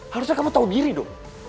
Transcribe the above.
harusnya kamu tahu diri dong